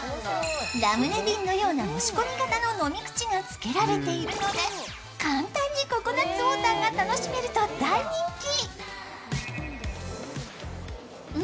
ラムネ瓶のような押し込み型の飲み口がつけられているので簡単にココナッツウオーターが楽しめると大人気。